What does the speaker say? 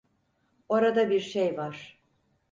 Orada bir şey var.